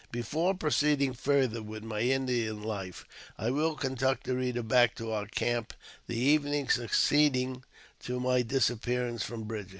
Before proceeding farther with my Indian life, I will conduct] the reader back to our camp the evening succeeding to my dis j appearance from Bridger.